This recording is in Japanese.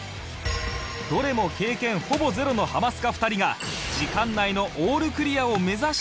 どれも経験ほぼゼロのハマスカ２人が時間内のオールクリアを目指していくも